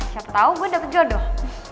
siapa tau gue dapet jodoh